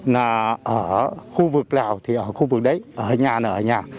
là ở khu vực nào thì ở khu vực đấy ở nhà ở nhà